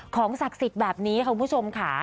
ศักดิ์สิทธิ์แบบนี้คุณผู้ชมค่ะ